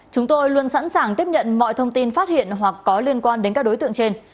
chúng tôi luôn sẵn sàng tiếp nhận mọi thông tin phát hiện hoặc có liên quan đến các đối tượng trên